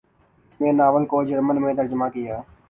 اس نے ناول کو جرمن میں ترجمہ کیا۔